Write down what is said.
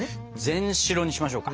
全白にしましょうか。